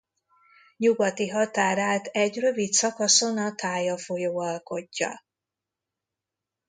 Nyugati határát egy rövid szakaszon a Thaya folyó alkotja.